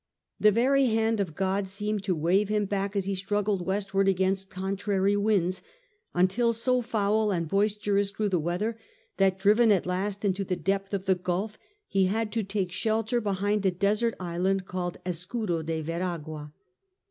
The very hand of God seemed to wave him back as he struggled westward against contrary winds, until so foul and boisterous grew the weather that^ driven at last into the depth of the Gulf, he had to take shelter behind a desert island called Escudo de Yeragua.